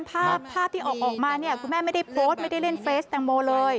ภาพที่ออกมาเนี่ยคุณแม่ไม่ได้โพสต์ไม่ได้เล่นเฟสแตงโมเลย